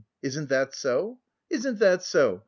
Isn't that so? Isn't that so?"